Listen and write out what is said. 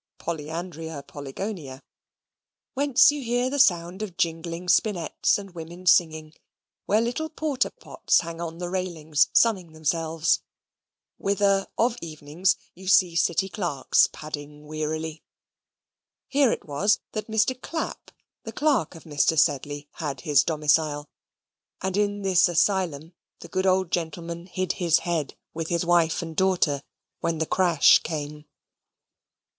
(polyandria polygynia); whence you hear the sound of jingling spinets and women singing; where little porter pots hang on the railings sunning themselves; whither of evenings you see City clerks padding wearily: here it was that Mr. Clapp, the clerk of Mr. Sedley, had his domicile, and in this asylum the good old gentleman hid his head with his wife and daughter when the crash came.